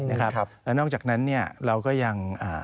และนอกจากนั้นเราก็อย่าง